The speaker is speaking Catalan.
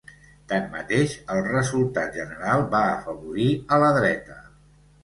Tanmateix, el resultat general va afavorir a la dreta.